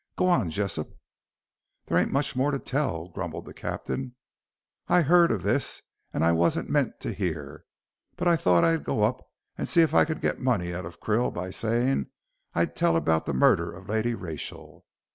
Go on, Jessop." "There ain't much more to tell," grumbled the captain. "I heard of this, and I wasn't meant to hear. But I thought I'd go up and see if I could get money out of Krill by saying I'd tell about the murder of Lady Rachel."